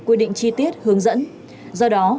quy định chi tiết hướng dẫn do đó